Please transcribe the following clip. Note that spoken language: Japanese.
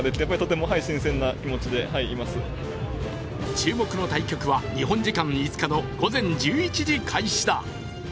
注目の対局は日本時間５日の午前１１時開始だ。